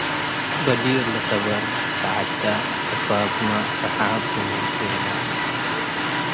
በዲር ሰበር ለተዐደ - ጸ’ባብመ ረሓብ ቡ ምንኬና፣